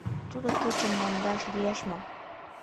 Тудо кечым мондаш лиеш мо?